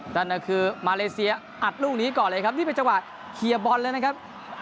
นั่นก็คือมาเลเซียอัดลูกนี้ก่อนเลยครับนี่เป็นจังหวะเคลียร์บอลเลยนะครับ